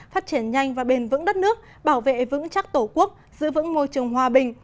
phát triển nhanh và bền vững đất nước bảo vệ vững chắc tổ quốc giữ vững môi trường hòa bình